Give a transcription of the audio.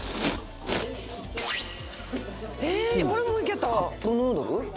へえこれもいけた。